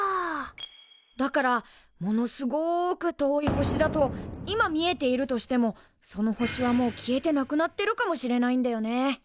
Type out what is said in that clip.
だからものすごく遠い星だと今見えているとしてもその星はもう消えてなくなってるかもしれないんだよね。